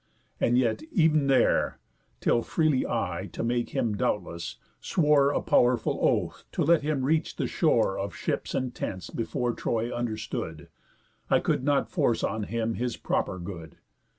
And yet ev'n there, Till freely I, to make him doubtless, swore A pow'rful oath, to let him reach the shore Of ships and tents before Troy understood, I could not force on him his proper good.